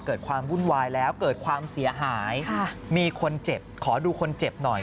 เกิดความวุ่นวายแล้วเกิดความเสียหายมีคนเจ็บขอดูคนเจ็บหน่อย